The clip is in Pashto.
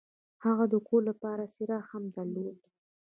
هغوی د کور لپاره څراغ هم نه درلود